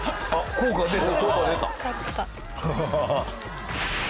効果出た。